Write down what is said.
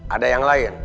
ada yang lain